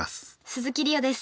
鈴木梨予です。